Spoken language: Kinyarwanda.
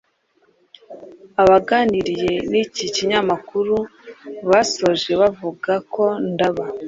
Abaganiriye n’iki kinyamakuru basoje bavuga ko Ndaba